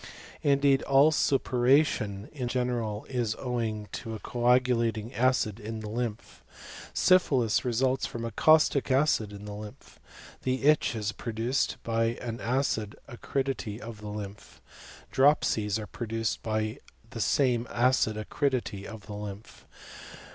Indeed all suppuration in general IS owing to a coagulating acid in the lymph. Sypl^ilis results from a caustic acid in the lymph. The itch is produced by an acid acridity of the lymph. Dropsies ate produced by the same acid acridity of the lymph.